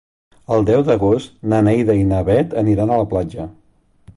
El deu d'agost na Neida i na Bet aniran a la platja.